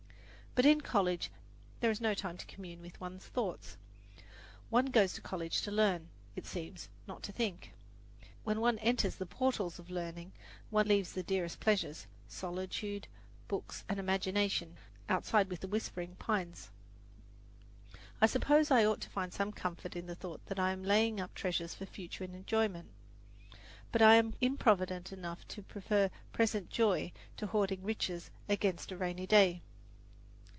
But in college there is no time to commune with one's thoughts. One goes to college to learn, it seems, not to think. When one enters the portals of learning, one leaves the dearest pleasures solitude, books and imagination outside with the whispering pines. I suppose I ought to find some comfort in the thought that I am laying up treasures for future enjoyment, but I am improvident enough to prefer present joy to hoarding riches against a rainy day.